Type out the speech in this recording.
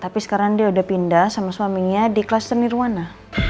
tapi sekarang dia udah pindah sama suaminya di kelas seni ruwana